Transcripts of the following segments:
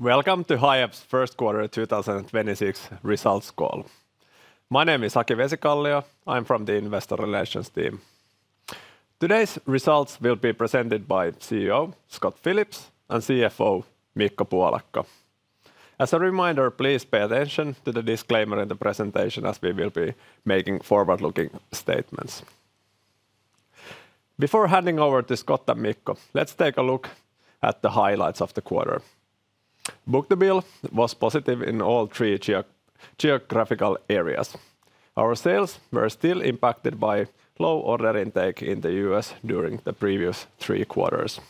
Welcome to Hiab's first quarter 2026 results call. My name is Aki Vesikallio. I'm from the investor relations team. Today's results will be presented by CEO Scott Phillips and CFO Mikko Puolakka. As a reminder, please pay attention to the disclaimer in the presentation as we will be making forward-looking statements. Before handing over to Scott and Mikko, let's take a look at the highlights of the quarter. Book-to-bill was positive in all three geographical areas. Our sales were still impacted by low order intake in the U.S. during the previous three quarters.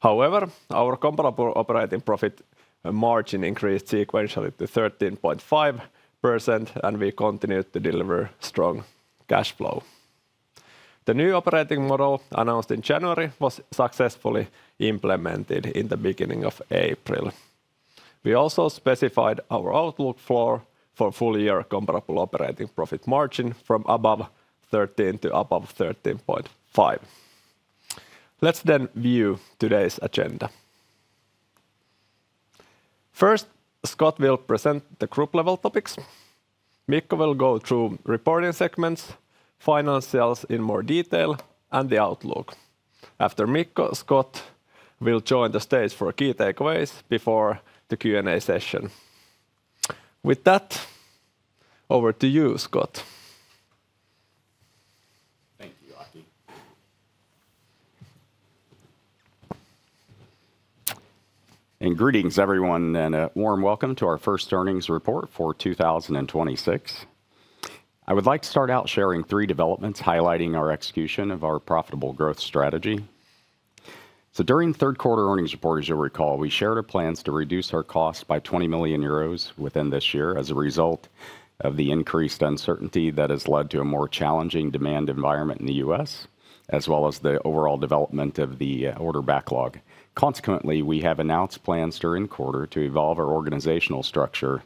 However, our comparable operating profit margin increased sequentially to 13.5%, and we continued to deliver strong cash flow. The new operating model announced in January was successfully implemented in the beginning of April. We also specified our outlook for full-year comparable operating profit margin from above 13 to above 13.5. Let's then view today's agenda. First, Scott will present the group-level topics. Mikko will go through reporting segments, financials in more detail, and the outlook. After Mikko, Scott will join the stage for key takeaways before the Q&A session. With that, over to you, Scott. Thank you, Aki. Greetings, everyone, and a warm welcome to our first earnings report for 2026. I would like to start out sharing three developments highlighting our execution of our profitable growth strategy. During third-quarter earnings report, as you'll recall, we shared our plans to reduce our cost by 20 million euros within this year as a result of the increased uncertainty that has led to a more challenging demand environment in the U.S., as well as the overall development of the order backlog. Consequently, we have announced plans during quarter to evolve our organizational structure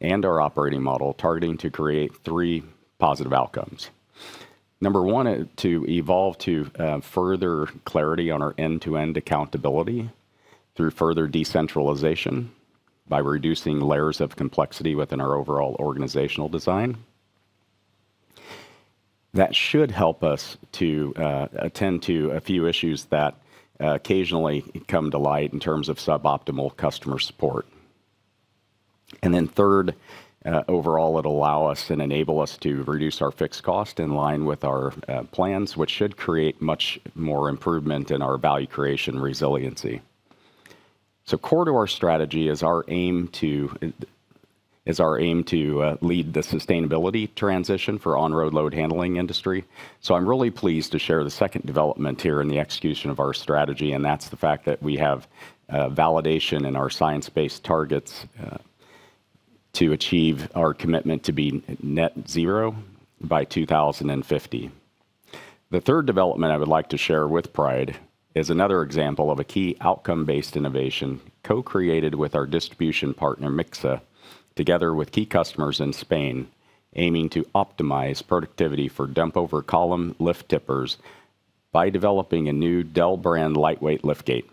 and our operating model, targeting to create three positive outcomes. Number one, to evolve to further clarity on our end-to-end accountability through further decentralization by reducing layers of complexity within our overall organizational design. That should help us to attend to a few issues that occasionally come to light in terms of suboptimal customer support. Then third, overall, it'll allow us and enable us to reduce our fixed cost in line with our plans, which should create much more improvement in our value creation resiliency. Core to our strategy is our aim to lead the sustainability transition for on-road load-handling industry. I'm really pleased to share the second development here in the execution of our strategy, and that's the fact that we have validation in our Science-Based Targets to achieve our commitment to be net zero by 2050. The third development I would like to share with pride is another example of a key outcome-based innovation co-created with our distribution partner, MYCSA, together with key customers in Spain, aiming to optimize productivity for dump-over column lift tippers by developing a new DEL brand lightweight liftgate.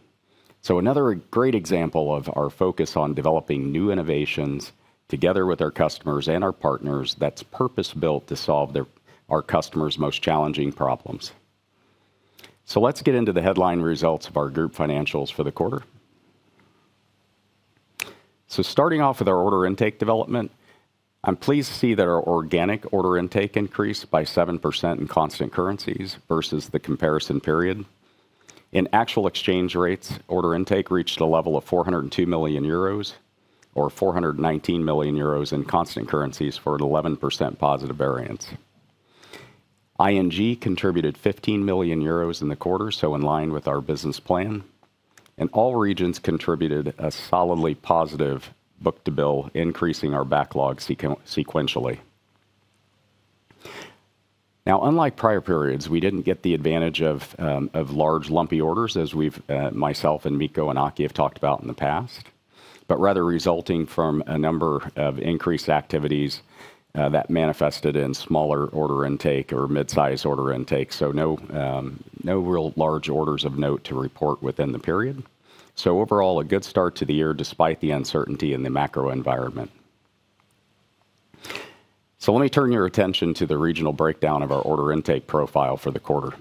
Another great example of our focus on developing new innovations together with our customers and our partners that's purpose-built to solve our customers' most challenging problems. Let's get into the headline results of our group financials for the quarter. Starting off with our order intake development, I'm pleased to see that our organic order intake increased by 7% in constant currencies versus the comparison period. In actual exchange rates, order intake reached a level of 402 million euros, or 419 million euros in constant currencies, for an 11% positive variance. ING contributed 15 million euros in the quarter, so in line with our business plan. All regions contributed a solidly positive book-to-bill, increasing our backlog sequentially. Unlike prior periods, we didn't get the advantage of large lumpy orders as myself and Mikko and Aki have talked about in the past, but rather resulting from a number of increased activities that manifested in smaller order intake or mid-size order intake. No real large orders of note to report within the period. Overall, a good start to the year despite the uncertainty in the macro environment. Let me turn your attention to the regional breakdown of our order intake profile for the quarter.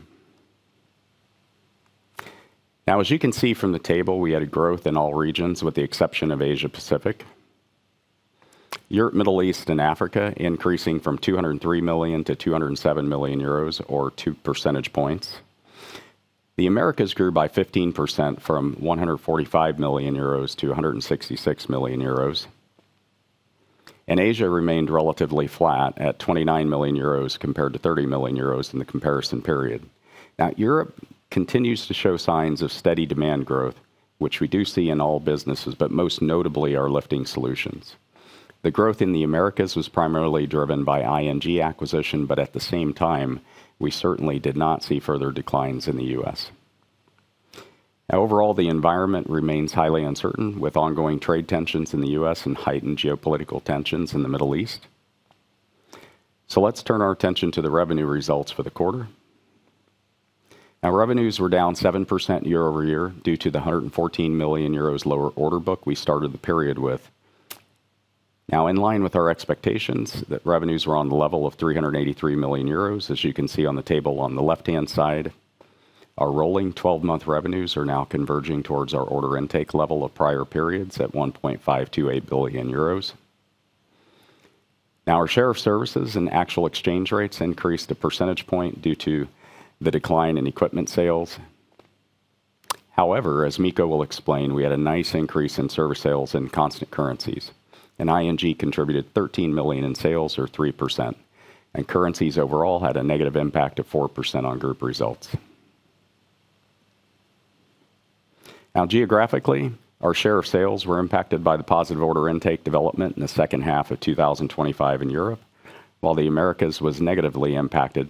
As you can see from the table, we had a growth in all regions with the exception of Asia-Pacific. Europe, Middle East, and Africa increasing from 203 million-207 million euros or two percentage points. The Americas grew by 15% from 145 million-166 million euros. Asia remained relatively flat at 29 million euros compared to 30 million euros in the comparison period. Now, Europe continues to show signs of steady demand growth, which we do see in all businesses, but most notably our Lifting Solutions. The growth in the Americas was primarily driven by ING Cranes acquisition, but at the same time, we certainly did not see further declines in the U.S. Now overall, the environment remains highly uncertain, with ongoing trade tensions in the U.S. and heightened geopolitical tensions in the Middle East. Let's turn our attention to the revenue results for the quarter. Now revenues were down 7% year-over-year due to the 114 million euros lower order book we started the period with. Now in line with our expectations that revenues were on the level of 383 million euros. As you can see on the table on the left-hand side, our rolling 12-month revenues are now converging towards our order intake level of prior periods at 1.528 billion euros. Now our share of services at actual exchange rates increased a percentage point due to the decline in equipment sales. However, as Mikko will explain, we had a nice increase in service sales in constant currencies, and ING contributed 13 million in sales or 3%. Currencies overall had a negative impact of 4% on group results. Now geographically, our share of sales were impacted by the positive order intake development in the second half of 2025 in Europe. While the Americas was negatively impacted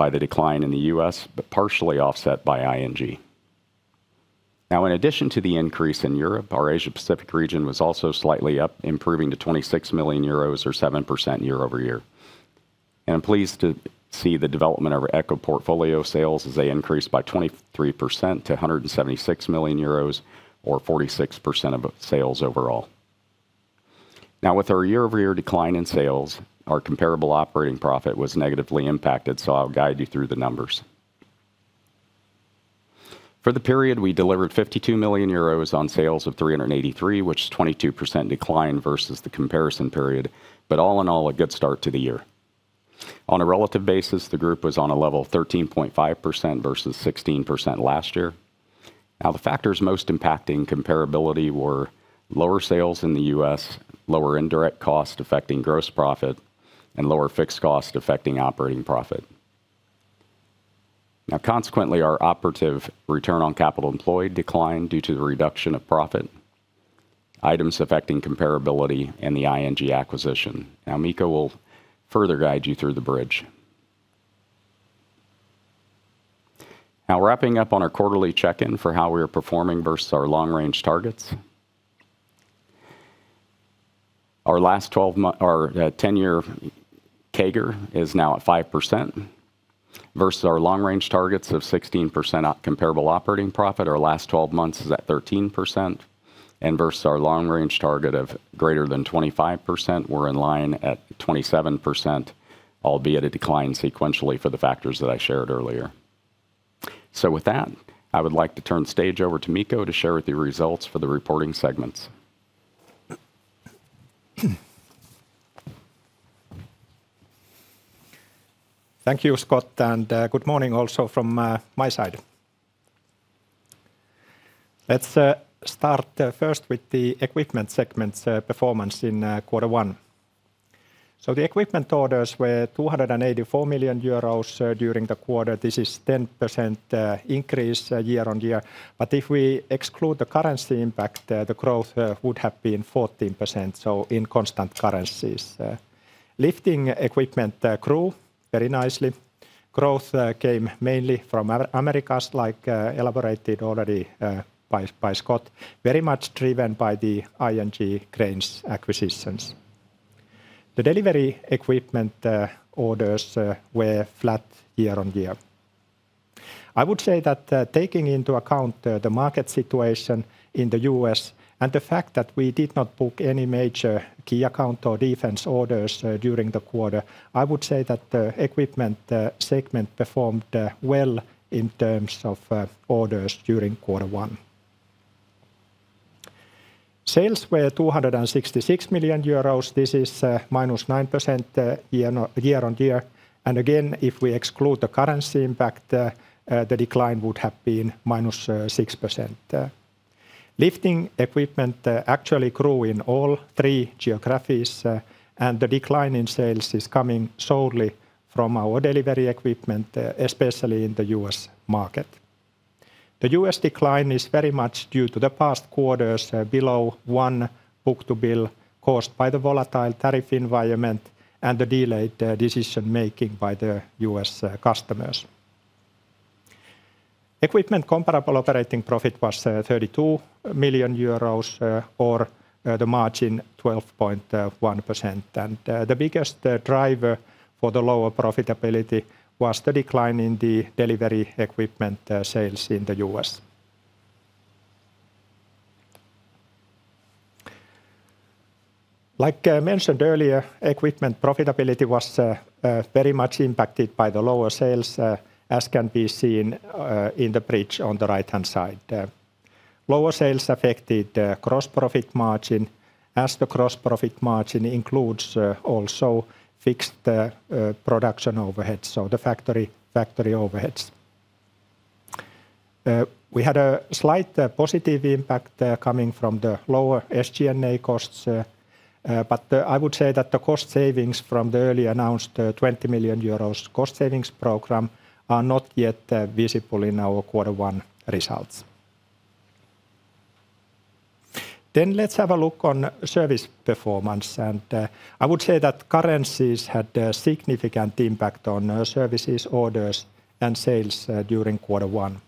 by the decline in the U.S., partially offset by ING. Now, in addition to the increase in Europe, our Asia Pacific region was also slightly up, improving to 26 million euros or 7% year-over-year. I'm pleased to see the development of our Eco portfolio sales as they increased by 23% to 176 million euros or 46% of sales overall. Now with our year-over-year decline in sales, our comparable operating profit was negatively impacted, so I'll guide you through the numbers. For the period, we delivered 52 million euros on sales of 383 million, which is 22% decline versus the comparison period, all in all a good start to the year. On a relative basis, the group was on a level of 13.5% versus 16% last year. Now the factors most impacting comparability were lower sales in the U.S., lower indirect cost affecting gross profit, and lower fixed cost affecting operating profit. Now consequently, our operative return on capital employed declined due to the reduction of profit, items affecting comparability, and the ING acquisition. Now Mikko will further guide you through the bridge. Now wrapping up on our quarterly check-in for how we are performing versus our long-range targets. Our 10-year CAGR is now at 5% versus our long-range targets of 16% comparable operating profit. Our last 12 months is at 13%. Versus our long-range target of greater than 25%, we're in line at 27%, albeit a decline sequentially for the factors that I shared earlier. With that, I would like to turn the stage over to Mikko to share the results for the reporting segments. Thank you, Scott, and good morning also from my side. Let's start first with the equipment segment's performance in quarter one. The equipment orders were 284 million euros during the quarter. This is 10% increase year-over-year. If we exclude the currency impact, the growth would have been 14%, so in constant currencies. Lifting equipment grew very nicely. Growth came mainly from Americas, like elaborated already by Scott, very much driven by the ING Cranes acquisitions. The delivery equipment orders were flat year-over-year. I would say that taking into account the market situation in the U.S. and the fact that we did not book any major key account or defense orders during the quarter, I would say that the equipment segment performed well in terms of orders during quarter one. Sales were 266 million euros. This is -9% year-over-year. Again, if we exclude the currency impact, the decline would have been -6%. Lifting equipment actually grew in all three geographies. The decline in sales is coming solely from our delivery equipment, especially in the U.S. market. The U.S. decline is very much due to the past quarters below one book-to-bill caused by the volatile tariff environment and the delayed decision-making by the U.S. customers. Equipment comparable operating profit was 32 million euros, or the margin 12.1%. The biggest driver for the lower profitability was the decline in the delivery equipment sales in the U.S. Like I mentioned earlier, equipment profitability was very much impacted by the lower sales, as can be seen in the bridge on the right-hand side. Lower sales affected the gross profit margin, as the gross profit margin includes also fixed production overheads, so the factory overheads. We had a slight positive impact coming from the lower SG&A costs. I would say that the cost savings from the early announced 20 million euros cost savings program are not yet visible in our quarter one results. Let's have a look on service performance. I would say that currencies had a significant impact on services orders and sales during quarter one.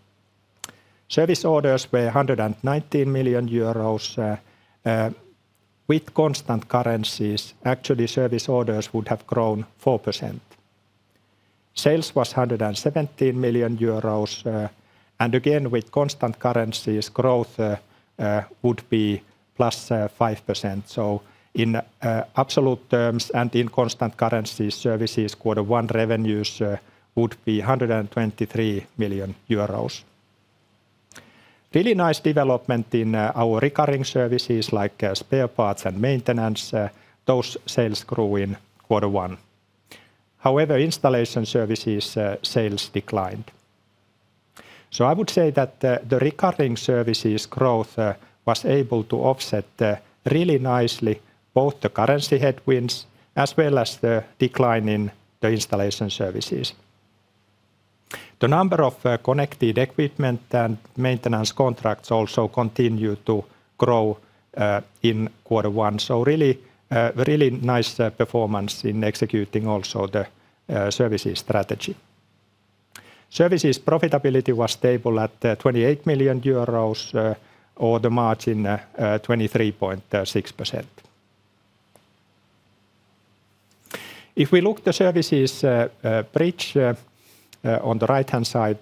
Service orders were 119 million euros. With constant currencies, actually service orders would have grown 4%. Sales was 117 million euros, and again, with constant currencies, growth would be +5%. In absolute terms and in constant currency services, quarter one revenues would be 123 million euros. Really nice development in our recurring services like spare parts and maintenance. Those sales grew in quarter one. However, installation services sales declined. I would say that the recurring services growth was able to offset really nicely both the currency headwinds as well as the decline in the installation services. The number of connected equipment and maintenance contracts also continued to grow in quarter one. Really nice performance in executing also the services strategy. Services profitability was stable at 28 million euros or the margin 23.6%. If we look at the services bridge on the right-hand side,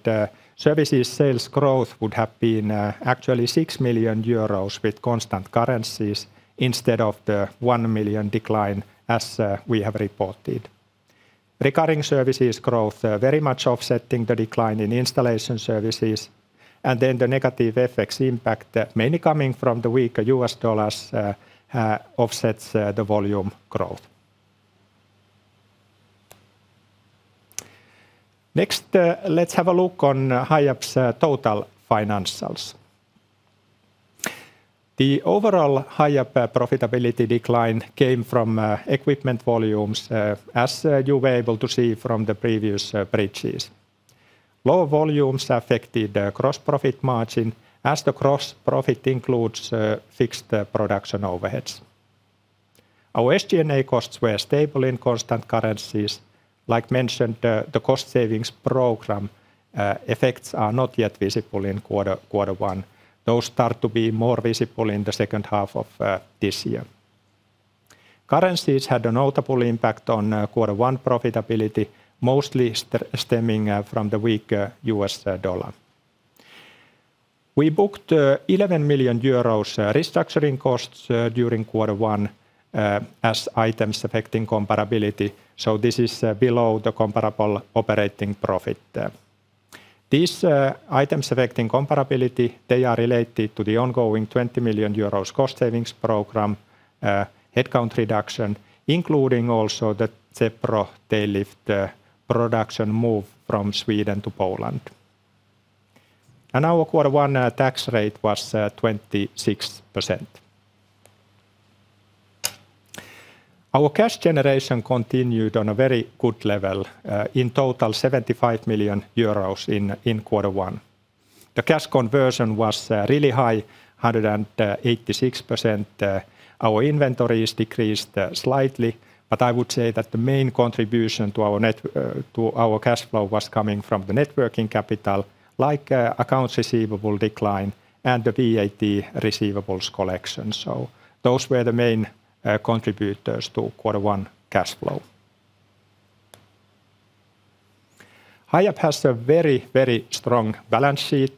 services sales growth would have been actually 6 million euros with constant currencies instead of the 1 million decline as we have reported. Recurring services growth very much offsetting the decline in installation services, and then the negative FX impact mainly coming from the weak U.S. dollar offsets the volume growth. Next, let's have a look on Hiab's total financials. The overall Hiab profitability decline came from equipment volumes, as you were able to see from the previous bridges. Lower volumes affected the gross profit margin as the gross profit includes fixed production overheads. Our SG&A costs were stable in constant currencies. Like mentioned, the cost savings program effects are not yet visible in quarter one. Those start to be more visible in the second half of this year. Currencies had a notable impact on quarter one profitability, mostly stemming from the weak U.S. dollar. We booked 11 million euros restructuring costs during quarter one as items affecting comparability, so this is below the comparable operating profit. These items affecting comparability, they are related to the ongoing 20 million euros cost savings program, headcount reduction, including also the ZEPRO tail lift production move from Sweden to Poland. Our quarter one tax rate was 26%. Our cash generation continued on a very good level, in total, 75 million euros in quarter one. The cash conversion was really high, 186%. Our inventories decreased slightly, but I would say that the main contribution to our cash flow was coming from the working capital like accounts receivable decline and the VAT receivables collection. Those were the main contributors to quarter one cash flow. Hiab has a very, very strong balance sheet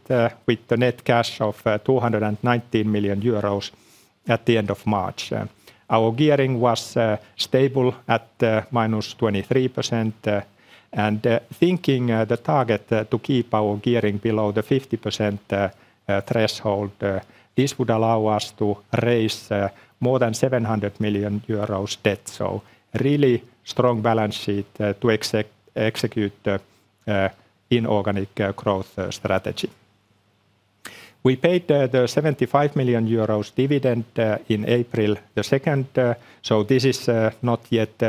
with the net cash of 219 million euros at the end of March. Our gearing was stable at -23% and given the target to keep our gearing below the 50% threshold, this would allow us to raise more than 700 million euros debt. Really strong balance sheet to execute the inorganic growth strategy. We paid the 75 million euros dividend in April 2nd.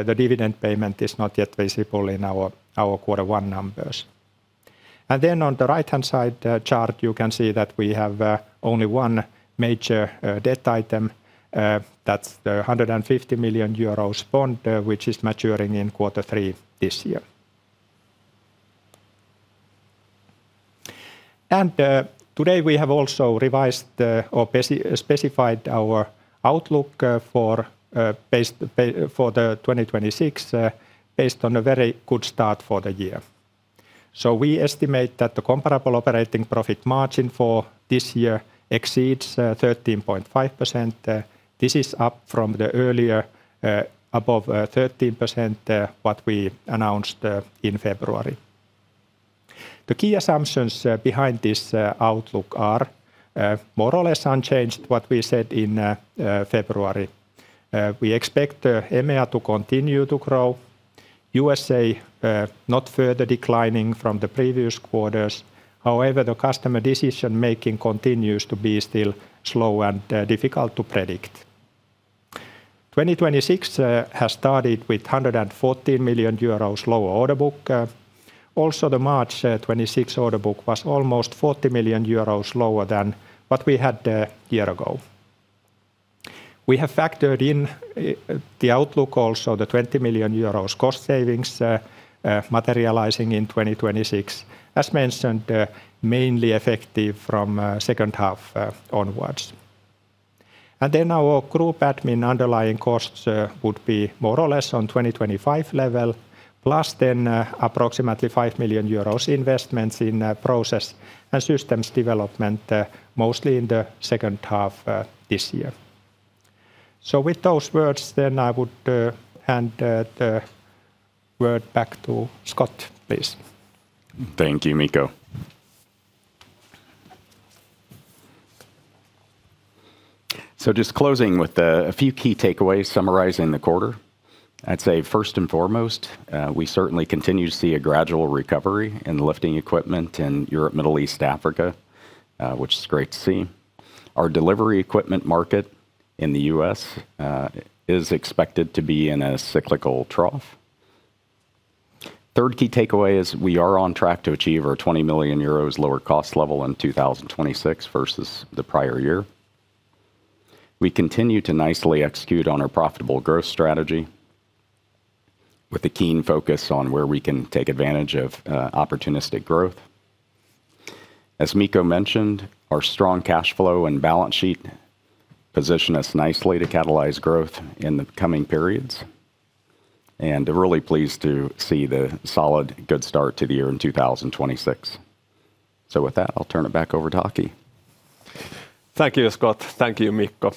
The dividend payment is not yet visible in our quarter one numbers. On the right-hand side chart, you can see that we have only one major debt item. That's the 150 million euros bond, which is maturing in quarter three this year. Today, we have also revised or specified our outlook for the 2026 based on a very good start for the year. We estimate that the comparable operating profit margin for this year exceeds 13.5%. This is up from the earlier above 13% what we announced in February. The key assumptions behind this outlook are more or less unchanged what we said in February. We expect EMEA to continue to grow. We expect USA not further declining from the previous quarters. However, the customer decision-making continues to be still slow and difficult to predict. 2026 has started with a 114 million euros lower order book. Also, the March 2026 order book was almost 40 million euros lower than what we had a year ago. We have factored in the outlook also, the 20 million euros cost savings materializing in 2026, as mentioned, mainly effective from second half onwards. Our group admin underlying costs would be more or less on 2025 level, plus then approximately 5 million euros investments in process and systems development, mostly in the second half this year. With those words then I would hand the word back to Scott, please. Thank you, Mikko. Just closing with a few key takeaways summarizing the quarter. I'd say first and foremost, we certainly continue to see a gradual recovery in lifting equipment in Europe, Middle East, Africa, which is great to see. Our delivery equipment market in the U.S. is expected to be in a cyclical trough. Third key takeaway is we are on track to achieve our 20 million euros lower cost level in 2026 versus the prior year. We continue to nicely execute on our profitable growth strategy with a keen focus on where we can take advantage of opportunistic growth. As Mikko mentioned, our strong cash flow and balance sheet position us nicely to catalyze growth in the coming periods, and we're really pleased to see the solid, good start to the year in 2026. With that, I'll turn it back over to Aki. Thank you, Scott. Thank you, Mikko.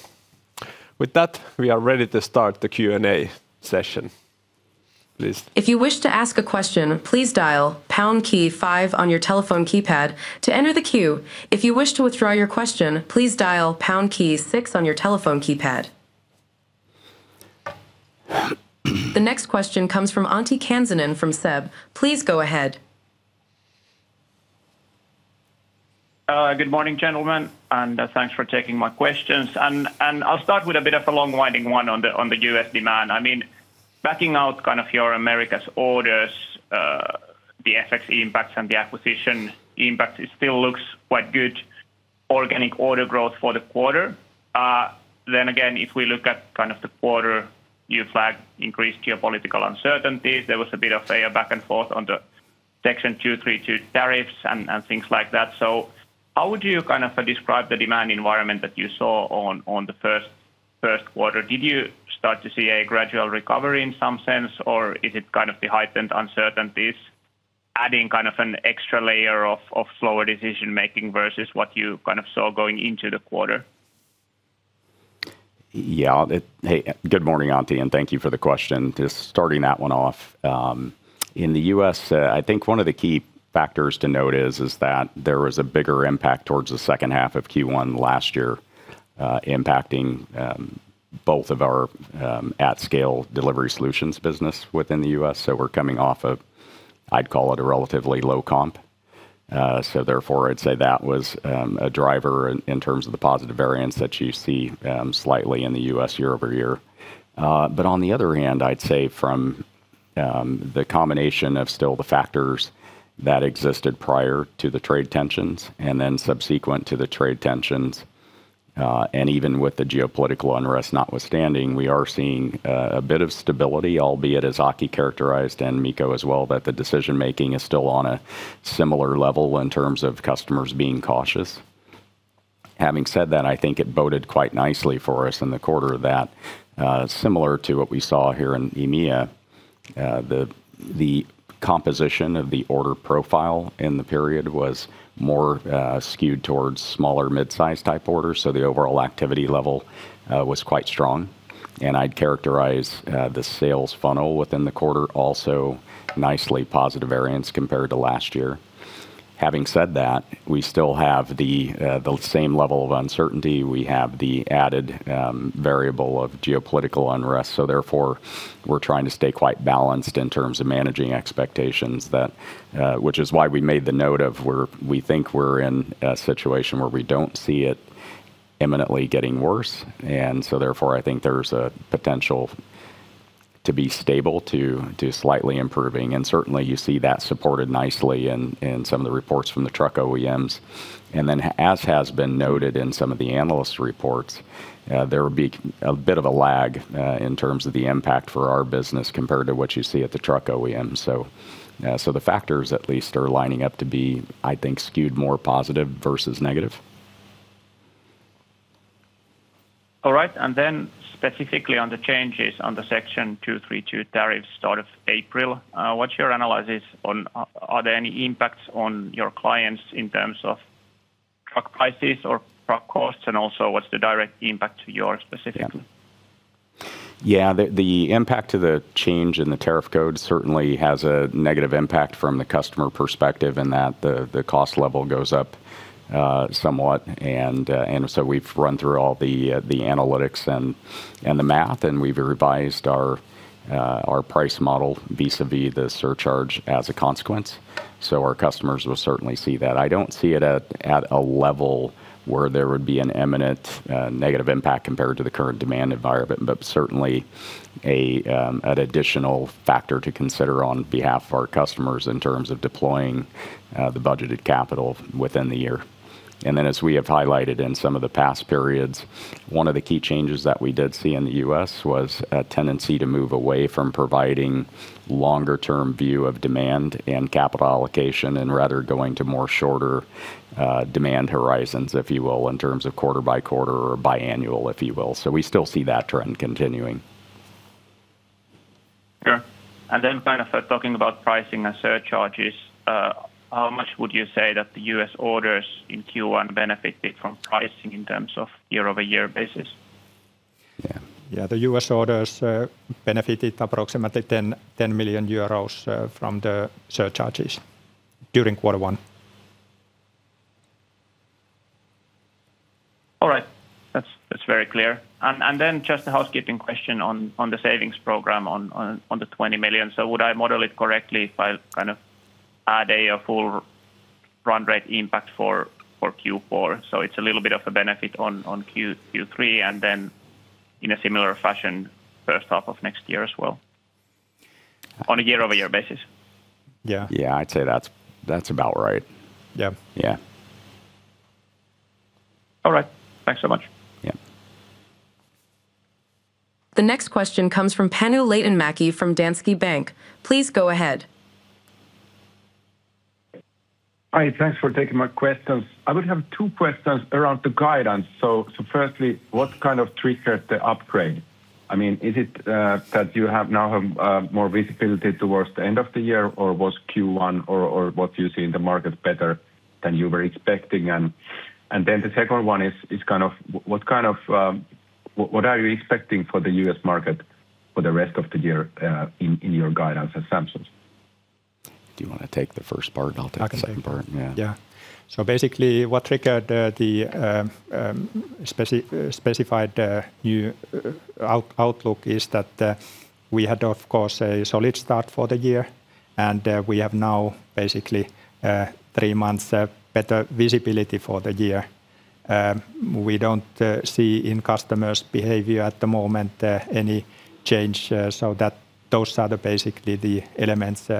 With that, we are ready to start the Q&A session. Please. If you wish to ask a question, please dial pound key five on your telephone keypad to enter the queue. If you wish to withdraw your question, please dial pound key six on your telephone keypad. The next question comes from Antti Kansanen from SEB. Please go ahead. Good morning, gentlemen, and thanks for taking my questions. I'll start with a bit of a long-winded one on the U.S. demand. Backing out kind of your Americas orders, the FX impacts, and the acquisition impact, it still looks quite good. Organic order growth for the quarter. Again, if we look at kind of the quarter, you flag increased geopolitical uncertainties. There was a bit of a back and forth on the Section 232 tariffs and things like that. How would you kind of describe the demand environment that you saw on the first quarter? Did you start to see a gradual recovery in some sense, or is it kind of the heightened uncertainties adding kind of an extra layer of slower decision-making versus what you kind of saw going into the quarter? Yeah. Hey, good morning, Antti, and thank you for the question. Just starting that one off. In the U.S., I think one of the key factors to note is that there was a bigger impact towards the second half of Q1 last year, impacting both of our at-scale Delivery Solutions business within the U.S. We're coming off of, I'd call it, a relatively low comp. Therefore, I'd say that was a driver in terms of the positive variance that you see slightly in the U.S. year-over-year. On the other hand, I'd say from the combination of still the factors that existed prior to the trade tensions and then subsequent to the trade tensions, and even with the geopolitical unrest notwithstanding, we are seeing a bit of stability, albeit as Aki characterized and Mikko as well, that the decision-making is still on a similar level in terms of customers being cautious. Having said that, I think it boded quite nicely for us in the quarter that, similar to what we saw here in EMEA, the composition of the order profile in the period was more skewed towards smaller midsize-type orders. The overall activity level was quite strong. I'd characterize the sales funnel within the quarter also nicely positive variance compared to last year. Having said that, we still have the same level of uncertainty. We have the added variable of geopolitical unrest, so therefore we're trying to stay quite balanced in terms of managing expectations that. Which is why we made the note of we think we're in a situation where we don't see it imminently getting worse. Therefore, I think there's a potential to be stable to slightly improving. Certainly, you see that supported nicely in some of the reports from the truck OEMs. As has been noted in some of the analyst reports, there will be a bit of a lag in terms of the impact for our business compared to what you see at the truck OEM. The factors at least are lining up to be, I think, skewed more positive versus negative. All right. Then specifically on the changes on the Section 232 tariffs start of April, what's your analysis on are there any impacts on your clients in terms of truck prices or truck costs? Also what's the direct impact to you all specifically? Yeah. The impact to the change in the tariff code certainly has a negative impact from the customer perspective in that the cost level goes up somewhat. We've run through all the analytics and the math, and we've revised our price model vis-à-vis the surcharge as a consequence. Our customers will certainly see that. I don't see it at a level where there would be an imminent negative impact compared to the current demand environment, but certainly an additional factor to consider on behalf of our customers in terms of deploying the budgeted capital within the year. As we have highlighted in some of the past periods, one of the key changes that we did see in the U.S. was a tendency to move away from providing longer term view of demand and capital allocation, and rather going to more shorter demand horizons, if you will, in terms of quarter by quarter or biannual, if you will. We still see that trend continuing. Sure. Kind of talking about pricing and surcharges, how much would you say that the U.S. orders in Q1 benefited from pricing in terms of year-over-year basis? Yeah. The U.S. orders benefited approximately 10 million euros from the surcharges during quarter one. All right. That's very clear. Then just a housekeeping question on the savings program on the 20 million. Would I model it correctly if I kind of add a full run rate impact for Q4? It's a little bit of a benefit on Q3, and then in a similar fashion, first half of next year as well on a year-over-year basis. Yeah. Yeah, I'd say that's about right. Yeah. Yeah. All right. Thanks so much. Yeah. The next question comes from Panu Laitinmäki from Danske Bank. Please go ahead. Hi. Thanks for taking my questions. I would have two questions around the guidance. Firstly, what kind of triggered the upgrade? Is it that you have now more visibility towards the end of the year, or was Q1, or what you see in the market better than you were expecting? Then the second one is, what are you expecting for the U.S. market for the rest of the year, in your guidance assumptions? Do you want to take the first part? I'll take the second part. I can take it. Yeah. Yeah. Basically what triggered the specified new outlook is that we had of course, a solid start for the year, and we have now basically three months better visibility for the year. We don't see any change in customers' behavior at the moment, so those are basically the elements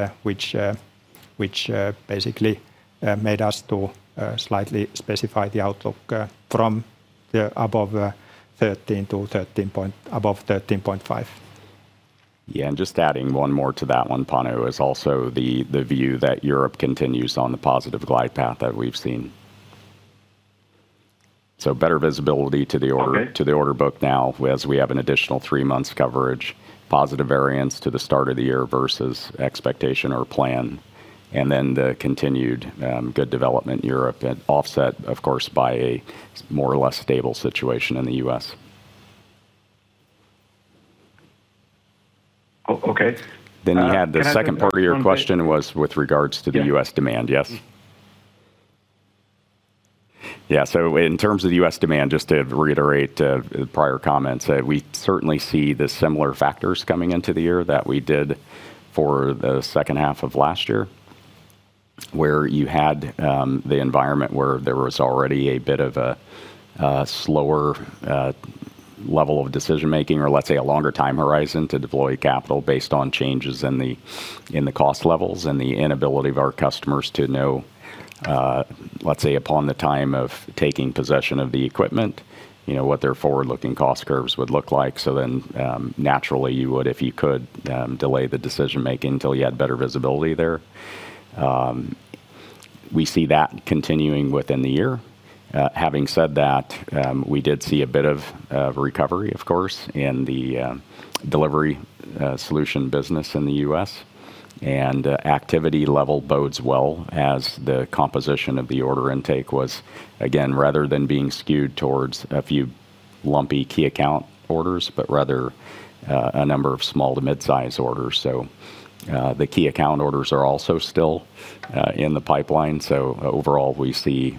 which basically made us to slightly specify the outlook from above 13 to above 13.5. Yeah, just adding one more to that one, Panu, is also the view that Europe continues on the positive glide path that we've seen. Better visibility to the order- Okay... to the order book now as we have an additional three months coverage, positive variance to the start of the year versus expectation or plan, and then the continued good development in Europe and offset, of course, by a more or less stable situation in the U.S. Oh, okay. You had the second part of your question was with regards to the U.S. demand, yes? Yeah. Yeah. In terms of the U.S. demand, just to reiterate prior comments, we certainly see the similar factors coming into the year that we did for the second half of last year, where you had the environment where there was already a bit of a slower level of decision making, or let's say a longer time horizon to deploy capital based on changes in the cost levels and the inability of our customers to know, let's say, upon the time of taking possession of the equipment, what their forward-looking cost curves would look like. Naturally you would, if you could, delay the decision making until you had better visibility there. We see that continuing within the year. Having said that, we did see a bit of recovery, of course, in the Delivery Solutions business in the U.S., and activity level bodes well as the composition of the order intake was, again, rather than being skewed towards a few lumpy key account orders, but rather, a number of small to mid-size orders. The key account orders are also still in the pipeline. Overall, we see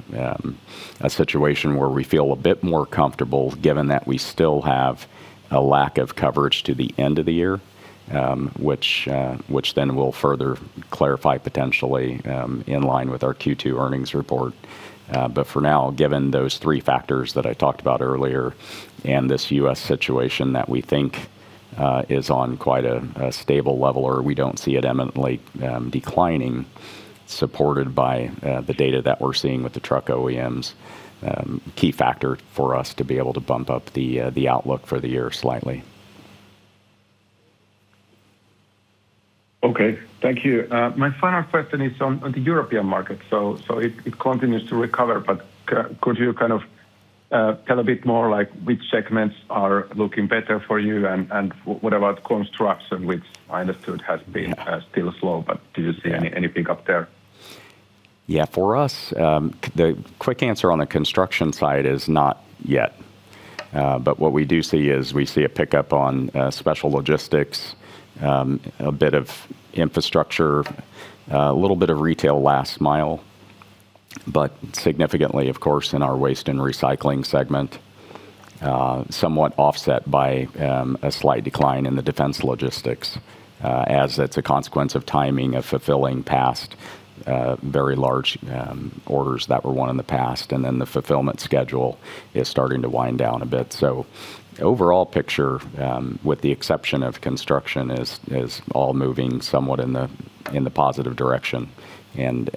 a situation where we feel a bit more comfortable given that we still have a lack of coverage to the end of the year, which then will further clarify potentially in line with our Q2 earnings report. For now, given those three factors that I talked about earlier and this U.S. situation that we think is on quite a stable level, or we don't see it imminently declining, supported by the data that we're seeing with the truck OEMs, key factor for us to be able to bump up the outlook for the year slightly. Okay. Thank you. My final question is on the European market. It continues to recover, but could you kind of tell a bit more like which segments are looking better for you and what about construction, which I understood has been still slow, but do you see any pickup there? Yeah. For us, the quick answer on the construction side is not yet. What we do see is we see a pickup on special logistics, a bit of infrastructure, a little bit of retail last mile, but significantly, of course, in our waste and recycling segment, somewhat offset by a slight decline in the defense logistics, as that's a consequence of timing of fulfilling past very large orders that were won in the past, and then the fulfillment schedule is starting to wind down a bit. Overall picture, with the exception of construction, is all moving somewhat in the positive direction and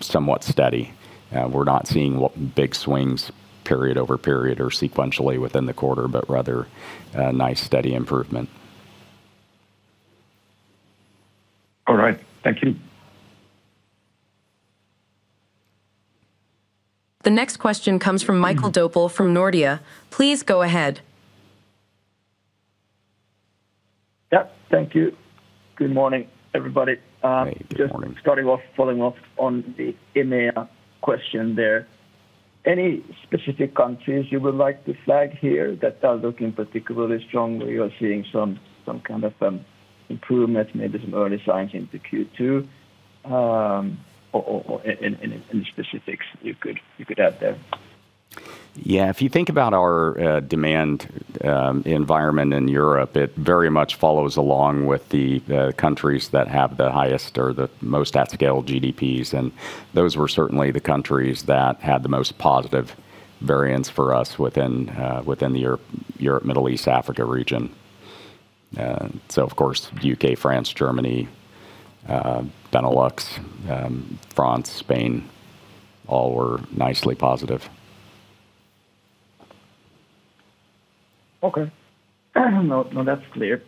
somewhat steady. We're not seeing big swings period-over-period or sequentially within the quarter, but rather a nice steady improvement. All right. Thank you. The next question comes from Mikael Doepel from Nordea. Please go ahead. Yeah, thank you. Good morning, everybody. Good morning. Just starting off, following up on the EMEA question there. Any specific countries you would like to flag here that are looking particularly strong or seeing some kind of improvement, maybe some early signs into Q2, or any specifics you could add there? Yeah. If you think about our demand environment in Europe, it very much follows along with the countries that have the highest or the most at-scale GDPs, and those were certainly the countries that had the most positive variance for us within the Europe, Middle East, Africa region. Of course, U.K., France, Germany, Benelux, France, Spain, all were nicely positive. Okay. No, that's clear.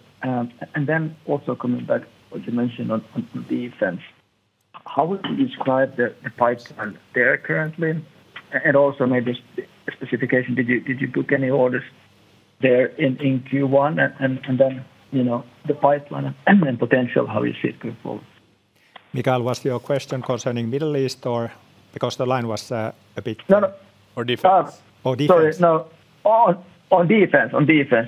Also coming back what you mentioned on defense, how would you describe the pipeline there currently and also maybe a specification, did you book any orders there in Q1? The pipeline and potential, how you see it going forward? Mikael, was your question concerning Middle East? Because the line was a bit- No. Defense? Sorry. No. On defense.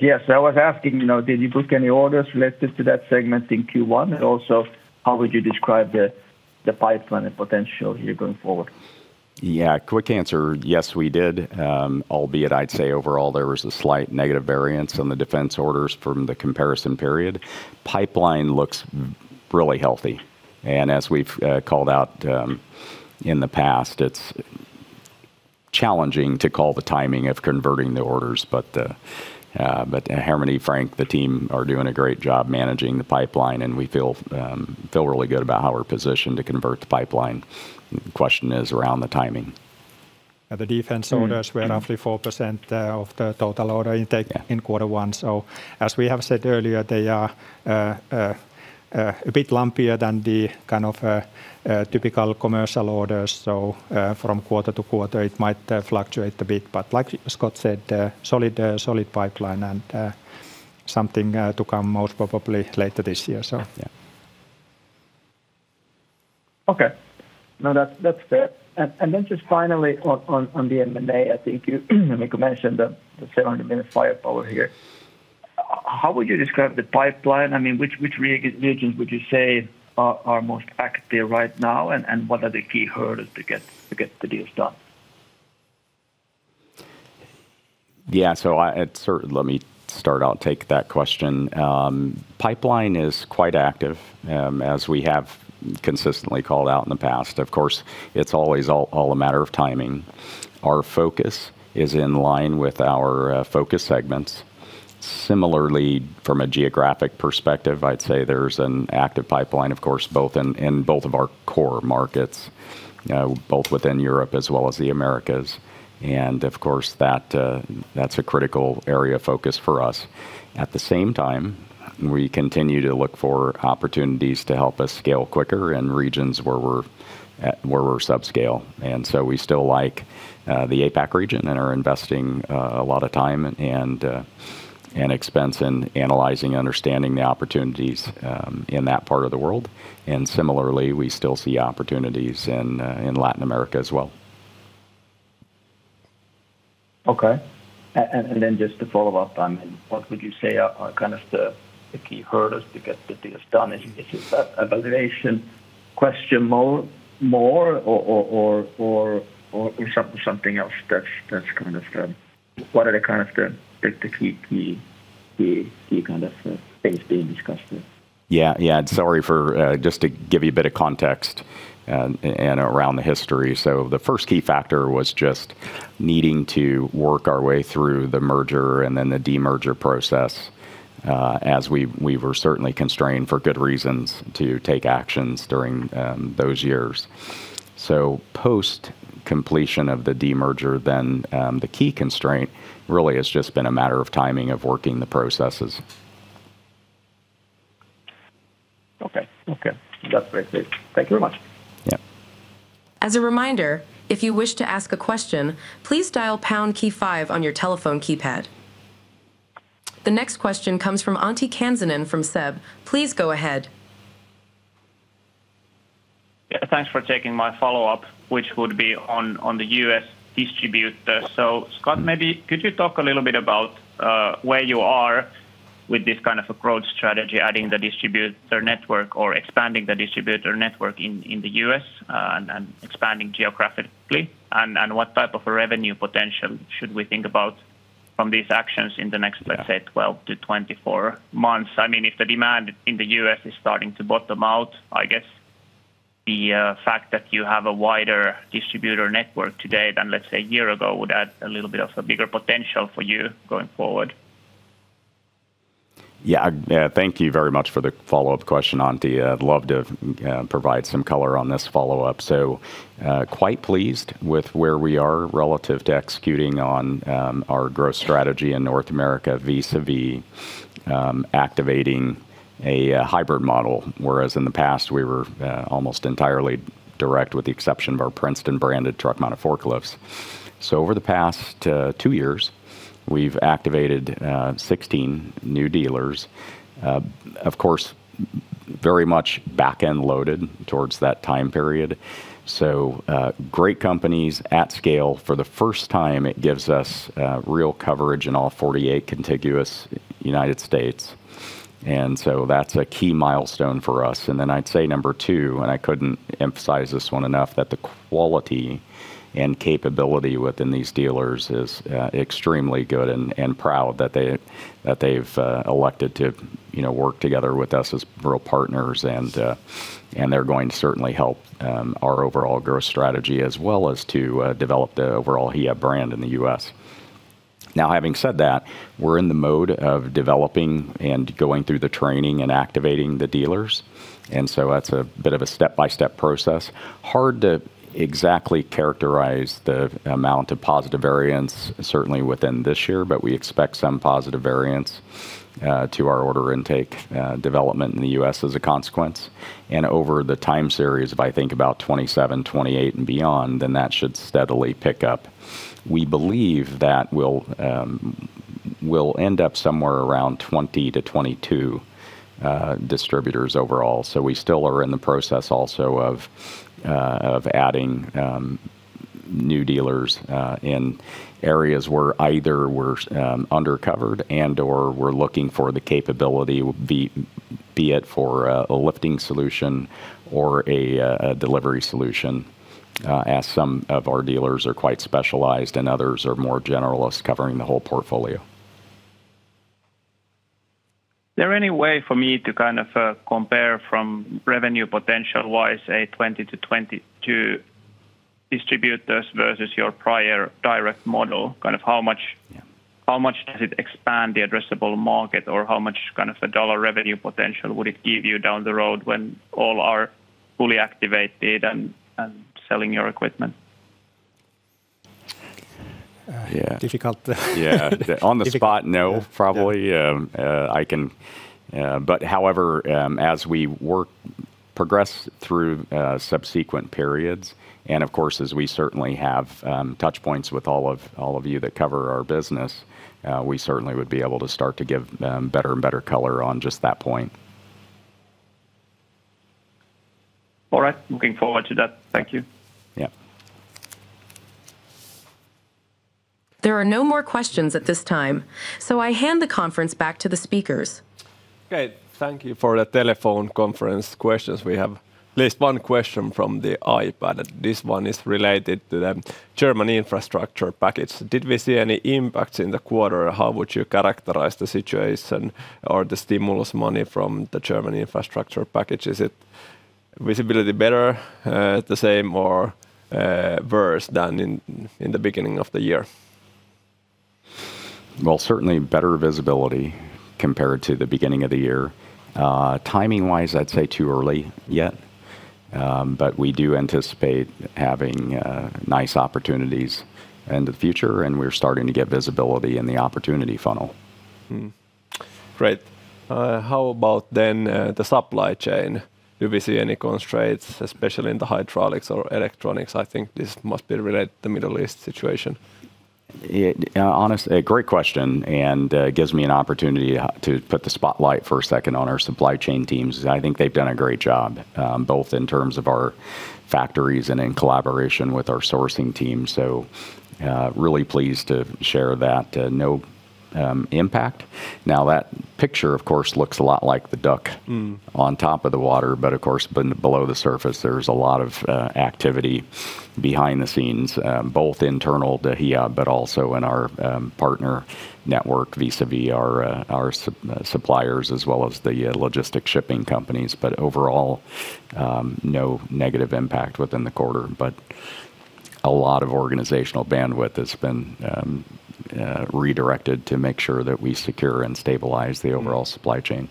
Yes. I was asking, did you book any orders related to that segment in Q1? And also, how would you describe the pipeline and potential here going forward? Yeah. Quick answer, yes, we did. Albeit, I'd say overall, there was a slight negative variance on the defense orders from the comparison period. Pipeline looks really healthy, and as we've called out in the past, it's challenging to call the timing of converting the orders. Hermanni, Frank, the team are doing a great job managing the pipeline, and we feel really good about how we're positioned to convert the pipeline. Question is around the timing. The defense orders were roughly 4% of the total order intake in quarter one. As we have said earlier, they are a bit lumpier than the kind of typical commercial orders. From quarter to quarter, it might fluctuate a bit, but like Scott said, a solid pipeline and something to come most probably later this year. Yeah. Okay. No, that's fair. Just finally on the M&A, I think you, Mikko, mentioned the 700 million firepower here. How would you describe the pipeline? Which regions would you say are most active right now, and what are the key hurdles to get the deals done? Yeah. Let me start. I'll take that question. Pipeline is quite active, as we have consistently called out in the past. Of course, it's always all a matter of timing. Our focus is in line with our focus segments. Similarly, from a geographic perspective, I'd say there's an active pipeline, of course, in both of our core markets, both within Europe as well as the Americas. Of course, that's a critical area of focus for us. At the same time, we continue to look for opportunities to help us scale quicker in regions where we're subscale. We still like the APAC region and are investing a lot of time and expense in analyzing and understanding the opportunities in that part of the world. Similarly, we still see opportunities in Latin America as well. Okay. Just to follow up, what would you say are kind of the key hurdles to get the deals done? Is it that evaluation question more, or is something else that's kind of the key kind of things being discussed there? Yeah. Sorry. Just to give you a bit of context and around the history. The first key factor was just needing to work our way through the merger and then the de-merger process, as we were certainly constrained for good reasons to take actions during those years. Post-completion of the de-merger, then the key constraint really has just been a matter of timing of working the processes. Okay. That's great. Thank you very much. Yeah. As a reminder, if you wish to ask a question, please dial pound key five on your telephone keypad. The next question comes from Antti Kansanen from SEB. Please go ahead. Yeah. Thanks for taking my follow-up, which would be on the U.S. distributor. Scott, maybe could you talk a little bit about where you are with this kind of a growth strategy, adding the distributor network or expanding the distributor network in the U.S. and expanding geographically? What type of a revenue potential should we think about from these actions in the next, let's say, 12 months-24 months? If the demand in the U.S. is starting to bottom out, I guess the fact that you have a wider distributor network today than, let's say, a year ago, would add a little bit of a bigger potential for you going forward. Yeah. Thank you very much for the follow-up question, Antti. I'd love to provide some color on this follow-up. Quite pleased with where we are relative to executing on our growth strategy in North America vis-a-vis activating a hybrid model, whereas in the past we were almost entirely direct with the exception of our Princeton branded truck mounted forklifts. Over the past two years, we've activated 16 new dealers, of course, very much back-end loaded towards that time period. Great companies at scale. For the first time, it gives us real coverage in all 48 contiguous United States. Then I'd say number two, and I couldn't emphasize this one enough, that the quality and capability within these dealers is extremely good and proud that they've elected to work together with us as real partners. They're going to certainly help our overall growth strategy, as well as to develop the overall Hiab brand in the U.S. Now, having said that, we're in the mode of developing and going through the training and activating the dealers, and so that's a bit of a step-by-step process. Hard to exactly characterize the amount of positive variance certainly within this year, but we expect some positive variance to our order intake development in the U.S. as a consequence. Over the time series of, I think, about 2027, 2028 and beyond, then that should steadily pick up. We believe that we'll end up somewhere around 20 distributors-22 distributors overall. We still are in the process also of adding new dealers in areas where either we're under-covered and/or we're looking for the capability, be it for a lifting solution or a delivery solution, as some of our dealers are quite specialized and others are more generalists covering the whole portfolio. Is there any way for me to compare from revenue potential-wise, say, 20 distributors-22 distributors versus your prior direct model, how much does it expand the addressable market? Or how much dollar revenue potential would it give you down the road when all are fully activated and selling your equipment? Yeah. Difficult. Yeah. On the spot, no, probably. However, as we progress through subsequent periods and, of course, as we certainly have touch points with all of you that cover our business, we certainly would be able to start to give better and better color on just that point. All right. Looking forward to that. Thank you. Yeah. There are no more questions at this time, so I hand the conference back to the speakers. Okay, thank you for the telephone conference questions. We have at least one question from the iPad. This one is related to the German infrastructure package. Did we see any impacts in the quarter? How would you characterize the situation or the stimulus money from the German infrastructure package? Is it visibility better, the same, or worse than in the beginning of the year? Well, certainly better visibility compared to the beginning of the year. Timing-wise, I'd say too early yet. We do anticipate having nice opportunities in the future, and we're starting to get visibility in the opportunity funnel. Great. How about the supply chain? Do we see any constraints, especially in the hydraulics or electronics? I think this must be related to the Middle East situation. Honestly, a great question, and gives me an opportunity to put the spotlight for a second on our supply chain teams. I think they've done a great job, both in terms of our factories and in collaboration with our sourcing team. Really pleased to share that. No impact. Now, that picture, of course, looks a lot like the duck on top of the water, but of course, below the surface, there's a lot of activity behind the scenes, both internal to Hiab, but also in our partner network vis-a-vis our suppliers as well as the logistic shipping companies. Overall, no negative impact within the quarter, but a lot of organizational bandwidth that's been redirected to make sure that we secure and stabilize the overall supply chain.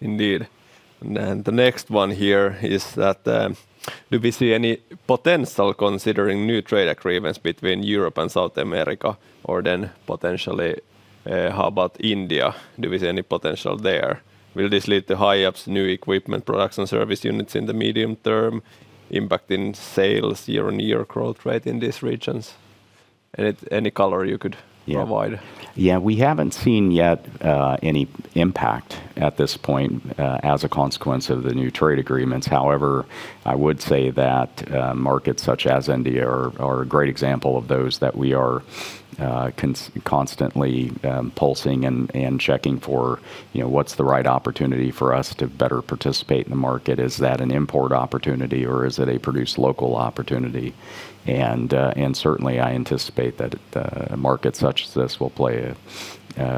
Indeed. The next one here is that, do we see any potential considering new trade agreements between Europe and South America? Or then potentially, how about India, do we see any potential there? Will this lead to higher uptake new equipment products and service units in the medium term impacting sales year-on-year growth rate in these regions? Any color you could provide? Yeah. We haven't seen yet any impact at this point as a consequence of the new trade agreements. However, I would say that markets such as India are a great example of those that we are constantly pulsing and checking for what's the right opportunity for us to better participate in the market. Is that an import opportunity or is it a produce local opportunity? Certainly, I anticipate that markets such as this will play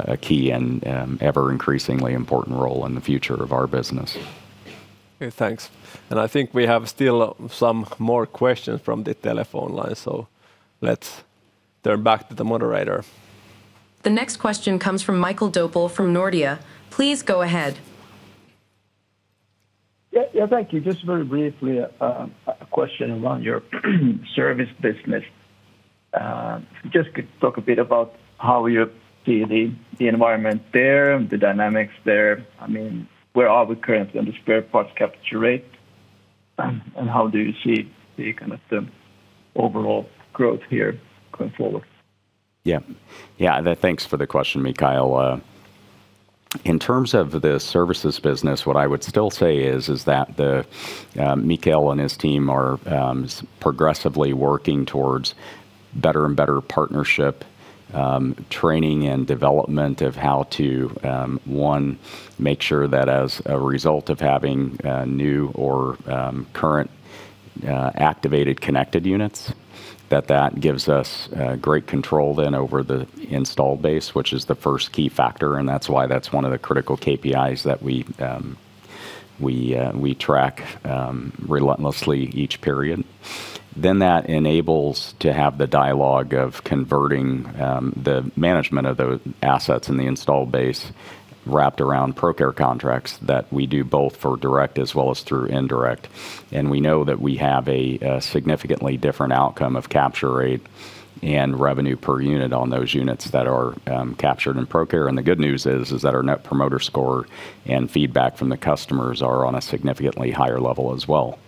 a key and ever increasingly important role in the future of our business. Okay, thanks. I think we have still some more questions from the telephone line, so let's turn back to the moderator. The next question comes from Mikael Doepel from Nordea. Please go ahead. Yeah, thank you. Just very briefly, a question around your service business. Just could you talk a bit about how you see the environment there and the dynamics there? Where are we currently on the spare parts capture rate? And how do you see the overall growth here going forward? Yeah. Thanks for the question, Mikael. In terms of the services business, what I would still say is that Mikael and his team are progressively working towards better and better partnership, training, and development of how to, one, make sure that as a result of having new or current activated connected units, that that gives us great control then over the installed base, which is the first key factor, and that's why that's one of the critical KPIs that we track relentlessly each period. Then that enables to have the dialogue of converting the management of the assets in the installed base wrapped around ProCare contracts that we do both for direct as well as through indirect. We know that we have a significantly different outcome of capture rate and revenue per unit on those units that are captured in ProCare. The good news is that our Net Promoter Score and feedback from the customers are on a significantly higher level as well.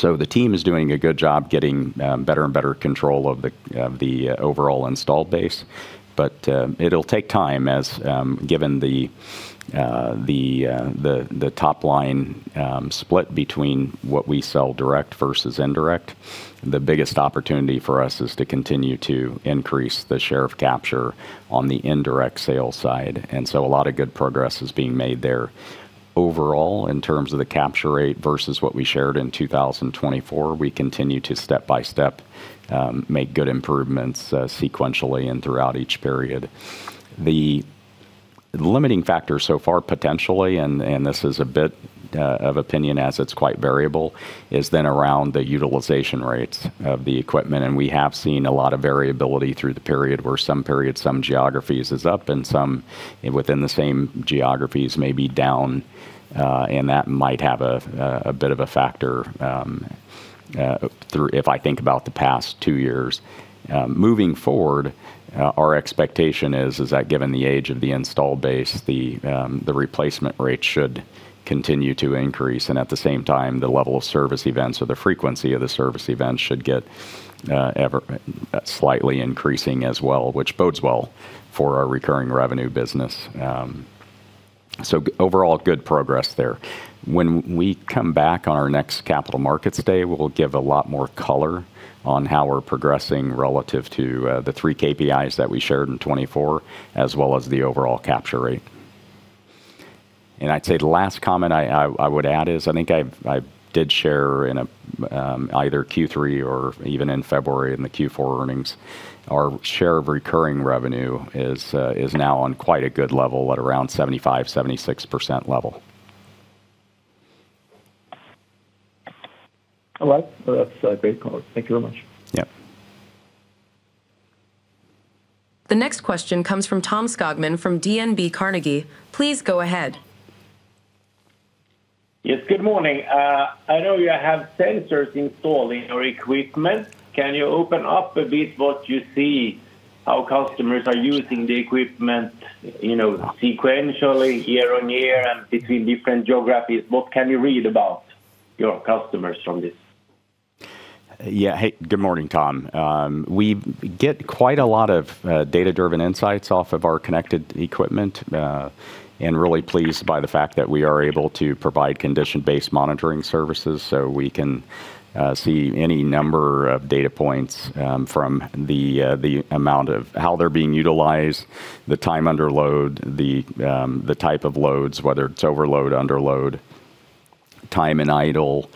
The team is doing a good job getting better and better control of the overall installed base. It'll take time, as given the top-line split between what we sell direct versus indirect. The biggest opportunity for us is to continue to increase the share of capture on the indirect sales side. A lot of good progress is being made there. Overall, in terms of the capture rate versus what we shared in 2024, we continue to step by step make good improvements sequentially and throughout each period. The limiting factor so far, potentially, and this is a bit of opinion as it's quite variable, is then around the utilization rates of the equipment. We have seen a lot of variability through the period where some periods, some geographies is up and some within the same geographies may be down, and that might have a bit of a factor if I think about the past two years. Moving forward, our expectation is that given the age of the installed base, the replacement rate should continue to increase. At the same time, the level of service events or the frequency of the service events should get slightly increasing as well, which bodes well for our recurring revenue business. Overall, good progress there. When we come back on our next Capital Markets Day, we'll give a lot more color on how we're progressing relative to the three KPIs that we shared in 2024, as well as the overall capture rate. I'd say the last comment I would add is, I think I did share in either Q3 or even in February in the Q4 earnings, our share of recurring revenue is now on quite a good level at around 75%-76% level. All right. That's a great comment. Thank you very much. Yeah. The next question comes from Tom Skogman from DNB Carnegie. Please go ahead. Yes, good morning. I know you have sensors installed in your equipment. Can you open up a bit on what you see, how customers are using the equipment sequentially year-on-year and between different geographies? What can you read about your customers from this? Yeah. Hey, good morning, Tom. We get quite a lot of data-driven insights off of our connected equipment. Really pleased by the fact that we are able to provide condition-based monitoring services so we can see any number of data points from the amount of how they're being utilized, the time under load, the type of loads, whether it's overload, underload, time in idle,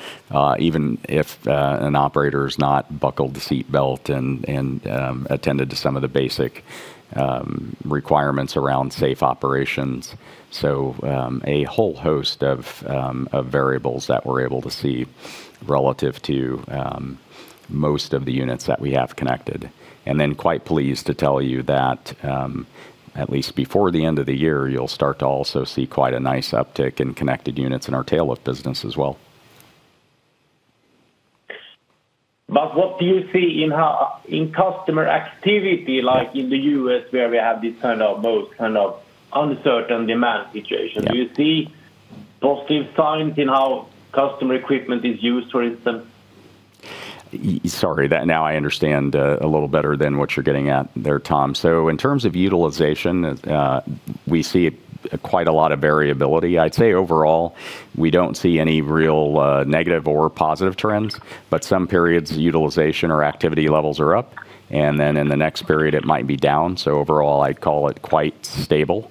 even if an operator's not buckled the seatbelt and attended to some of the basic requirements around safe operations. A whole host of variables that we're able to see relative to most of the units that we have connected. Then quite pleased to tell you that, at least before the end of the year, you'll start to also see quite a nice uptick in connected units in our tail lift business as well. What do you see in customer activity, like in the U.S. where we have this kind of both uncertain demand situation? Yeah. Do you see positive signs in how customer equipment is used, for instance? Sorry. Now I understand a little better than what you're getting at there, Tom. In terms of utilization, we see quite a lot of variability. I'd say overall, we don't see any real negative or positive trends, but some periods, utilization or activity levels are up, and then in the next period it might be down. Overall, I'd call it quite stable.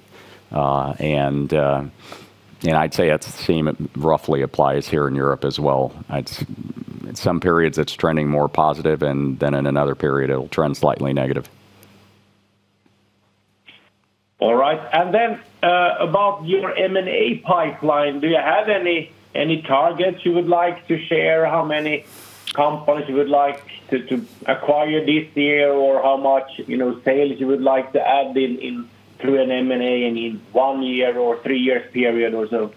I'd say the same roughly applies here in Europe as well. In some periods, it's trending more positive, and then in another period, it'll trend slightly negative. All right. About your M&A pipeline, do you have any targets you would like to share? How many companies you would like to acquire this year or how much sales you would like to add in through an M&A in one year or three years period or so?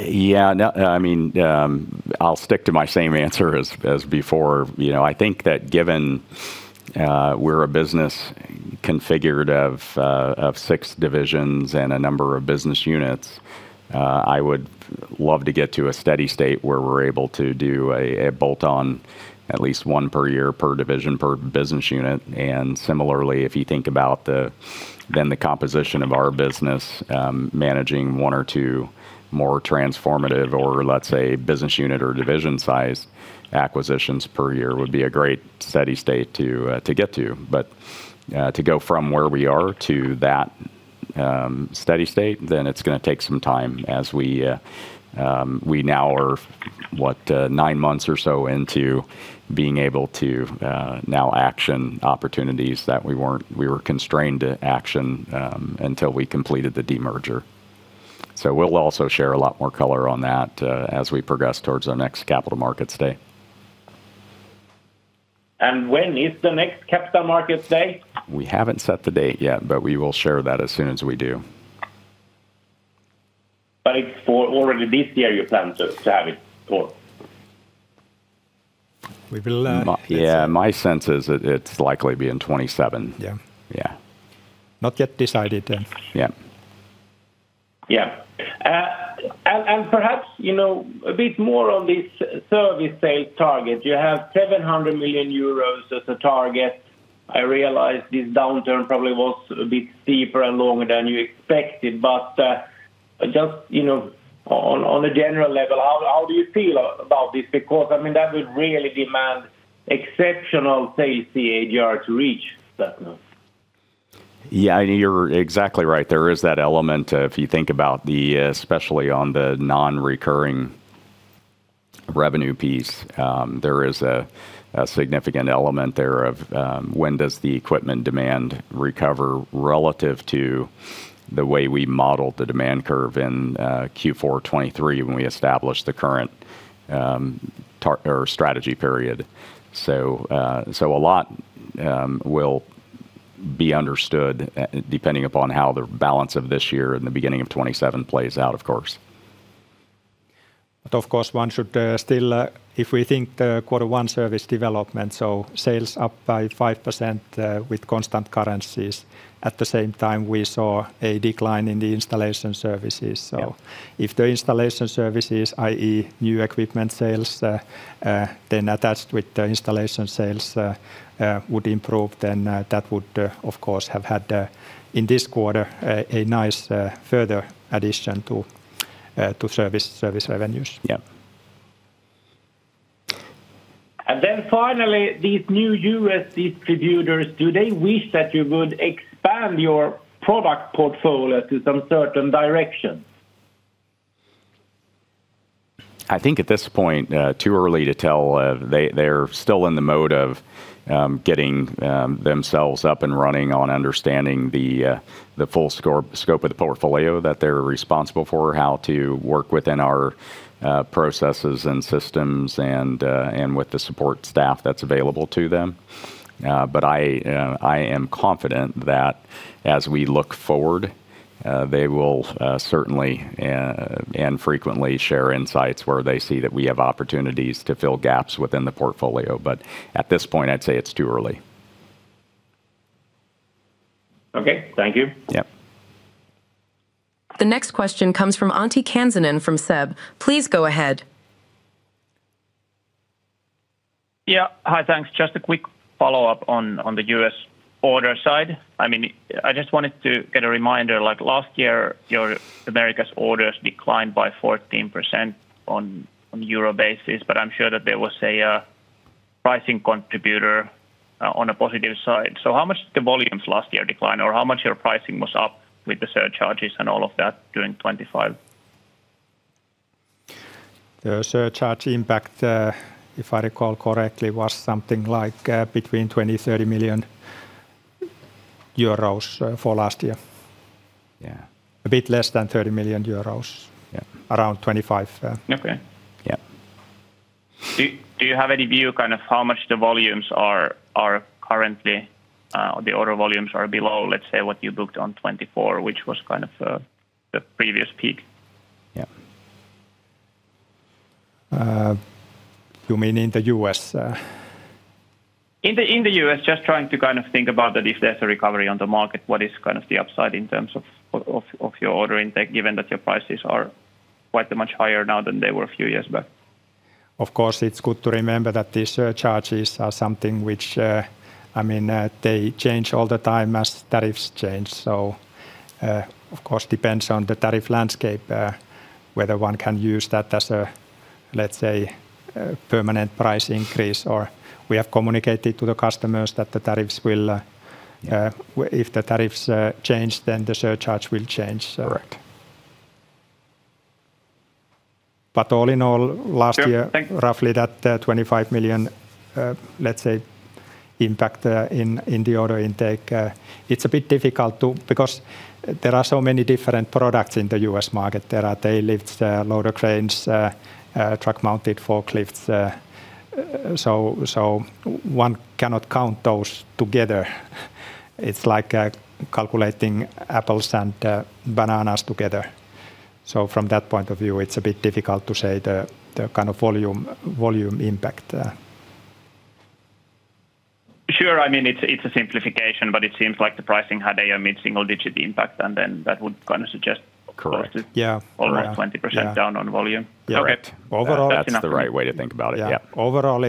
Yeah. I'll stick to my same answer as before. I think that given we're a business configured of six divisions and a number of business units, I would love to get to a steady state where we're able to do a bolt-on at least one per year per division, per business unit. Similarly, if you think about then the composition of our business, managing one or two more transformative or let's say, business unit or division size acquisitions per year would be a great steady state to get to. To go from where we are to that steady state, then it's going to take some time as we now are what, nine months or so into being able to now action opportunities that we were constrained to action until we completed the de-merger. We'll also share a lot more color on that as we progress towards our next Capital Markets Day. When is the next Capital Markets Day? We haven't set the date yet, but we will share that as soon as we do. It's for already this year you plan to have it or? We will- Yeah. My sense is that it's likely to be in 2027. Yeah. Yeah. Not yet decided then. Yeah. Yeah. Perhaps, a bit more on this service sales target. You have 700 million euros as a target. I realize this downturn probably was a bit steeper and longer than you expected, but just, on a general level, how do you feel about this? Because that would really demand exceptional sales CAGR to reach that number. Yeah, you're exactly right. There is that element if you think about the, especially on the non-recurring revenue piece, there is a significant element there of when does the equipment demand recover relative to the way we modeled the demand curve in Q4 2023 when we established the current target or strategy period. A lot will be understood depending upon how the balance of this year and the beginning of 2027 plays out of course. Of course, one should still if we think quarter one service development, so sales up by 5% with constant currencies. At the same time, we saw a decline in the installation services. Yeah. If the installation services, i.e. new equipment sales, then attached with the installation sales would improve, then that would of course have had in this quarter a nice further addition to service revenues. Yeah. Finally, these new U.S. distributors, do they wish that you would expand your product portfolio to some certain direction? I think at this point it's too early to tell. They're still in the mode of getting themselves up and running on understanding the full scope of the portfolio that they're responsible for, how to work within our processes and systems and with the support staff that's available to them. I am confident that as we look forward, they will certainly and frequently share insights where they see that we have opportunities to fill gaps within the portfolio. At this point, I'd say it's too early. Okay. Thank you. Yeah. The next question comes from Antti Kansanen from SEB. Please go ahead. Yeah. Hi, thanks. Just a quick follow-up on the U.S. order side. I just wanted to get a reminder, like last year, your Americas orders declined by 14% on euro basis, but I'm sure that there was a pricing contributor on a positive side. How much did the volumes last year decline or how much your pricing was up with the surcharges and all of that during 2025? The surcharge impact, if I recall correctly, was something like between 20 million-30 million euros for last year. Yeah. A bit less than 30 million euros. Yeah. Around 25 miliion. Okay. Yeah. Do you have any view kind of how much the volumes are currently, or the order volumes are below, let's say, what you booked on 2024, which was kind of the previous peak? Yeah. You mean in the U.S.? In the U.S., just trying to kind of think about that if there's a recovery on the market, what is kind of the upside in terms of your order intake, given that your prices are quite much higher now than they were a few years back? Of course, it's good to remember that the surcharges are something which they change all the time as tariffs change. Of course, it depends on the tariff landscape whether one can use that as a, let's say, permanent price increase or we have communicated to the customers that if the tariffs change, then the surcharge will change. Correct. All in all, last year. Sure. Roughly that 25 million, let's say, impact in the order intake. It's a bit difficult too because there are so many different products in the U.S. market. There are tail lifts, loader cranes, truck-mounted forklifts, so one cannot count those together. It's like calculating apples and bananas together. From that point of view, it's a bit difficult to say the kind of volume impact there. Sure. I mean, it's a simplification, but it seems like the pricing had a mid-single-digit impact, and then that would kind of suggest. Correct. Yeah. Almost 20% down on volume. Correct. Okay. That's the right way to think about it. Yeah. Overall,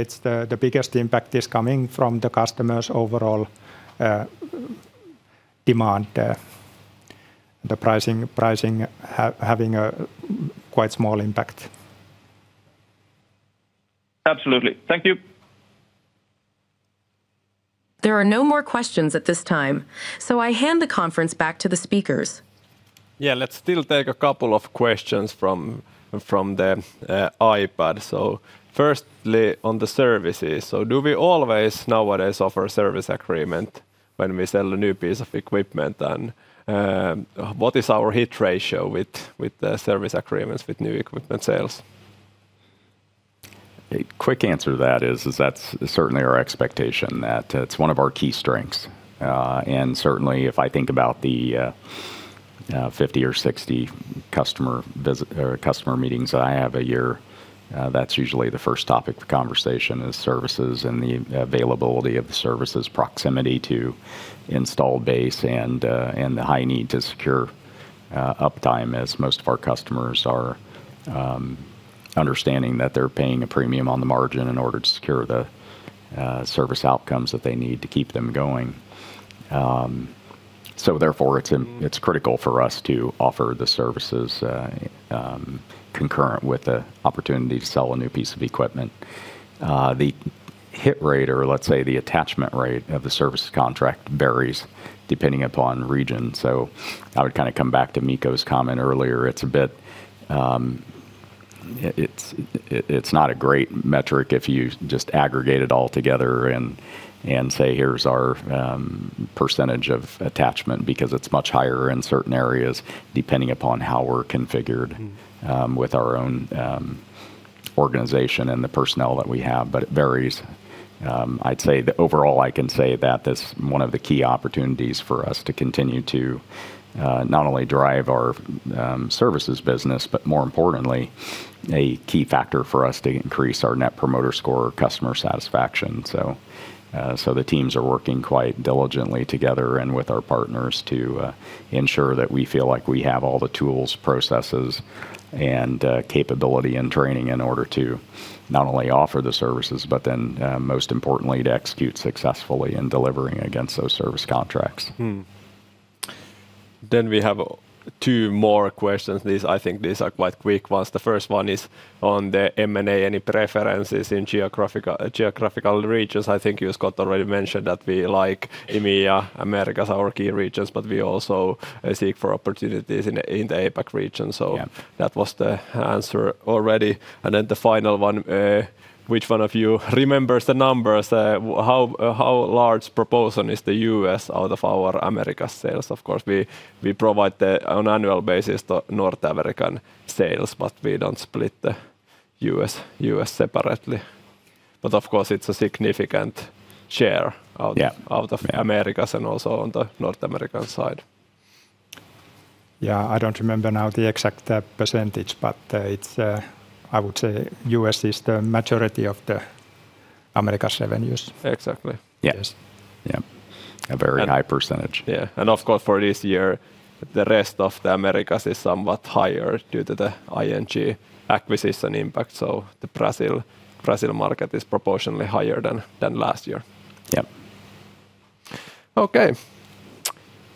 the biggest impact is coming from the customers' overall demand, the pricing having a quite small impact. Absolutely. Thank you. There are no more questions at this time, so I hand the conference back to the speakers. Yeah. Let's still take a couple of questions from the iPad. Firstly, on the services, so do we always nowadays offer a service agreement when we sell a new piece of equipment? What is our hit ratio with the service agreements with new equipment sales? A quick answer to that is, that's certainly our expectation that it's one of our key strengths. Certainly if I think about the 50 or 60 customer meetings I have a year, that's usually the first topic of conversation is services and the availability of the services, proximity to installed base, and the high need to secure uptime as most of our customers are understanding that they're paying a premium on the margin in order to secure the service outcomes that they need to keep them going. Therefore, it's critical for us to offer the services concurrent with the opportunity to sell a new piece of equipment. The hit rate or let's say the attachment rate of the services contract varies depending upon region. I would kind of come back to Mikko's comment earlier. It's not a great metric if you just aggregate it all together and say, "Here's our percentage of attachment," because it's much higher in certain areas depending upon how we're configured with our own organization and the personnel that we have, but it varies. I'd say that overall, I can say that that's one of the key opportunities for us to continue to not only drive our services business, but more importantly, a key factor for us to increase our Net Promoter Score customer satisfaction. The teams are working quite diligently together and with our partners to ensure that we feel like we have all the tools, processes, and capability and training in order to not only offer the services, but then, most importantly, to execute successfully in delivering against those service contracts. We have two more questions. I think these are quite quick ones. The first one is on the M&A, any preferences in geographical regions? I think you, Scott, already mentioned that we like EMEA, Americas, our key regions, but we also seek for opportunities in the APAC region. Yeah. That was the answer already. The final one, which one of you remembers the numbers? How large proportion is the U.S. out of our Americas sales? Of course, we provide that on annual basis to North American sales, but we don't split the U.S. separately. Of course, it's a significant share. Yeah. Out of the Americas and also on the North American side. Yeah. I don't remember now the exact percentage, but I would say U.S. is the majority of the Americas' revenues. Exactly. Yes. Yeah. A very high percentage. Yeah. Of course, for this year, the rest of the Americas is somewhat higher due to the ING acquisition impact, so the Brazil market is proportionally higher than last year. Yep. Okay.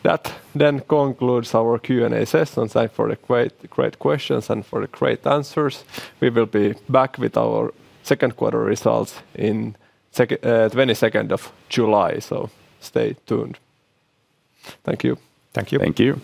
That then concludes our Q&A session. Thank you for the great questions and for the great answers. We will be back with our second quarter results in 22nd of July. Stay tuned. Thank you. Thank you. Thank you.